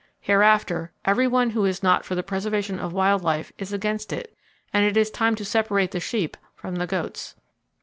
Hereafter, every one who is not for the preservation of wild life is against it and it is time to separate the sheep from the goats.